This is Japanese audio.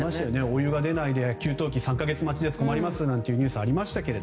お湯が出ないで給湯器３か月待ちとかいうニュースがありました。